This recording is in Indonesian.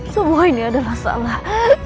semua ini adalah salah